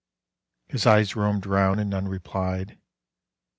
His eyes roamed round, and none replied.